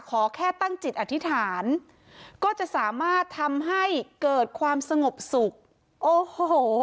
ขอแค่ตั้งจิตอธิษฐานก็จะสามารถทำให้เกิดความสงบสุขโอ้โห